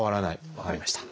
分かりました。